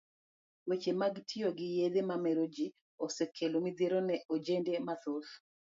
Weche mag tiyo gi yedhe mamero ji, osekelo midhiero ne ojende mathoth.